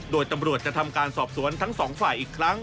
โดยตำรวจจะทำการสอบสวนทั้งสองฝ่ายอีกครั้ง